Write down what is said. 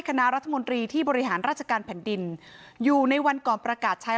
คณะรัฐมนตรีที่บริหารราชการแผ่นดินอยู่ในวันก่อนประกาศใช้